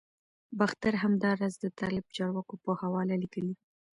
باختر همداراز د طالب چارواکو په حواله لیکلي